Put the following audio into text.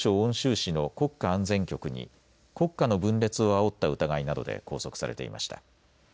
市の国家安全局に国家の分裂をあおった疑いなどで拘束されていました。